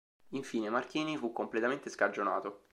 Infine, Marchini fu completamente scagionato.